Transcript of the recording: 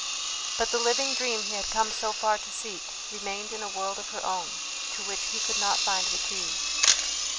But the living dream he had come so far to seek remained in a world of her own, to which he could not find the key.